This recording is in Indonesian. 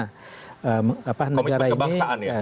komitmen kebangsaan ya